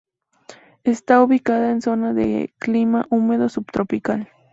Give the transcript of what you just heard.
Está ubicada en la zona de clima húmedo subtropical.